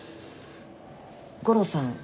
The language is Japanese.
悟郎さん